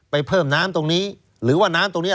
เพิ่มน้ำตรงนี้หรือว่าน้ำตรงนี้